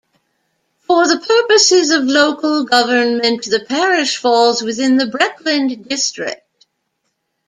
For the purposes of local government, the parish falls within the Breckland district.